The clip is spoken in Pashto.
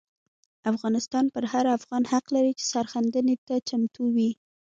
افغانستان پر هر افغان حق لري چې سرښندنې ته چمتو وي.